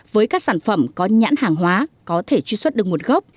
với các sản phẩm có nhãn hàng hóa có thể truy xuất được nguồn gốc